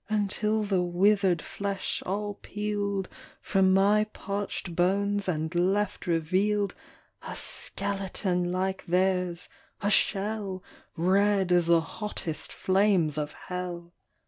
Until the withered flesh all peeled From my parched bones and left revealed A skeleton like theirs ! a shell. Red as the hottest flames of hell